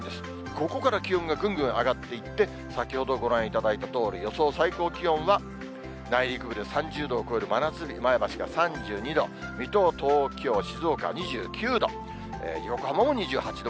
ここから気温がぐんぐん上がっていって、先ほどご覧いただいたとおり、予想最高気温は、内陸部で３０度を超える真夏日、前橋が３２度、水戸、東京、静岡２９度。